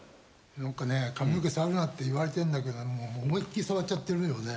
何かねえ髪の毛触るなって言われてんだけどもう思いっきり触っちゃってるよね。